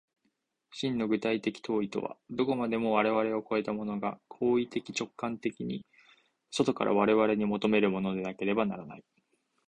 真の具体的当為とは、どこまでも我々を越えたものが行為的直観的に外から我々に求めるものでなければならない。